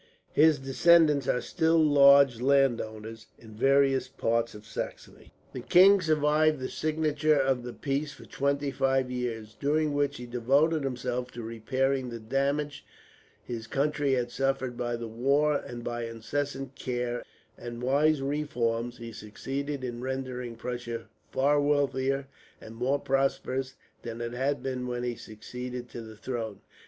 His descendants are still large landowners in various parts of Saxony. The king survived the signature of the peace for twenty five years, during which he devoted himself to repairing the damage his country had suffered by the war; and by incessant care, and wise reforms, he succeeded in rendering Prussia far wealthier and more prosperous than it had been when he succeeded to the throne.